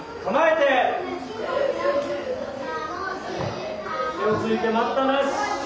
手をついて待ったなし。